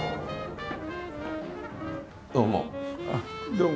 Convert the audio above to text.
どうも。